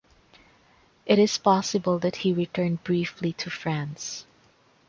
It is possible that he returned briefly to France.